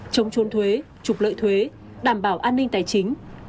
chống chôn thuế trục lợi thuế đảm bảo an ninh tài chính